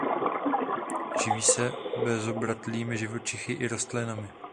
Živí se bezobratlými živočichy i rostlinami.